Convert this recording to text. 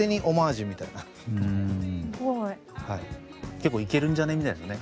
「結構いけるんじゃね？」みたいなね。